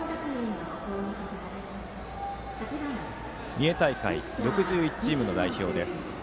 三重大会６１チームの代表です。